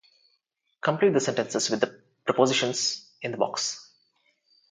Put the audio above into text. Complete the sentences with the prepositions in the box.